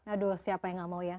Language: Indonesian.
aduh siapa yang gak mau ya